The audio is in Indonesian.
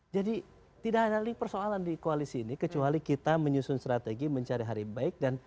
jadi tidak ada lagi persoalan di koalisi ini kecuali kita menyusun strategi mencari hari baik